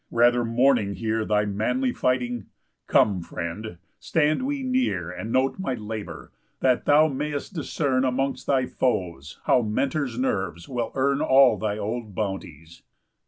Rather mourning here Than manly fighting? Come, friend, stand we near, And note my labour, that thou may'st discern Amongst thy foes how Mentor's nerves will earn All thy old bounties."